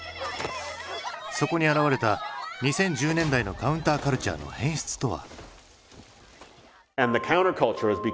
そこに表れた２０１０年代のカウンターカルチャーの変質とは？